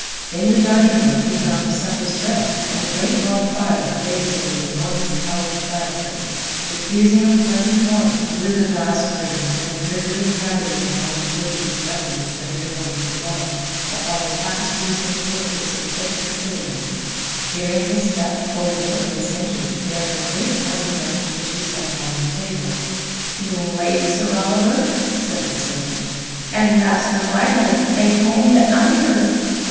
In the dining room he found supper spread, and a great log fire blazed in the enormous cowled fire place, diffusing a pleasant warmth through the vast room and flickering ruddily upon the trophies of weapons that adorned the walls, upon the tapestries and the portraits of dead Tressilians. Hearing his step, old Nicholas entered bearing a great candle branch which he set upon the table. "You'm late, Sir Oliver," said the servant, "and Master Lionel bain't home yet neither."